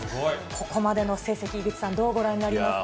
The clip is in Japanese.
ここまでの成績、井口さん、どうご覧になりますか。